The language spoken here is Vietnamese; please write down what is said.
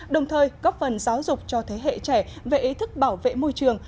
đồng thời góp phần giáo dục cho thế hệ trẻ về ý thức bảo vệ môi trường